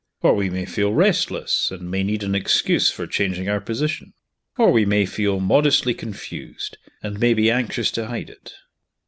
Or we may feel restless, and may need an excuse for changing our position. Or we may feel modestly confused, and may be anxious to hide it.